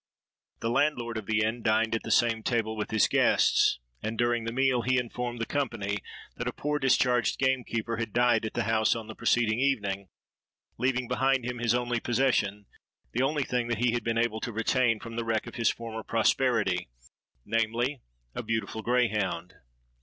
The landlord of the inn dined at the same table with his guests; and, during the meal, he informed the company that a poor discharged gamekeeper had died at the house on the preceding evening, leaving behind him his only possession—the only thing that he had been able to retain from the wreck of his former prosperity,—namely, a beautiful greyhound.